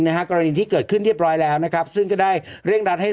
กรณีที่เกิดขึ้นเรียบร้อยแล้วนะครับซึ่งก็ได้เร่งรัดให้